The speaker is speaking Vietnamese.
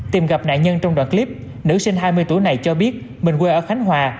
tìm gặp nạn nhân trong đoạn clip nữ sinh hai mươi tuổi này cho biết mình quê ở khánh hòa